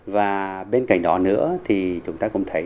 và bên cạnh đó nữa thì chúng ta cũng thấy